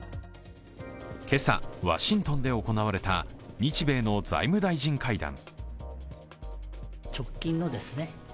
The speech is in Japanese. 今朝、ワシントンで行われた日米の財務大臣会談。